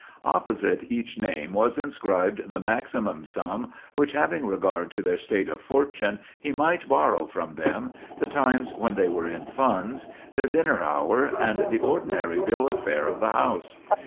Opposite each name was inscribed the maximum sum which, having regard to their state of fortune, he might borrow from them, the times when they were in funds, their dinner hour, and the ordinary bill of fare of the house.